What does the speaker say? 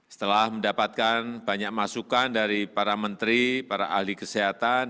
setelah mendapatkan banyak masukan dari para menteri para ahli kesehatan